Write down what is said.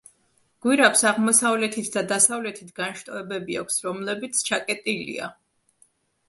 გვირაბს აღმოსავლეთით და დასავლეთით განშტოებები აქვს, რომლებიც ჩაკეტილია.